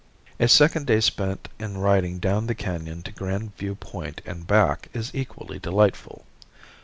A second day spent in riding down the canon to Grand View Point and back is equally delightful.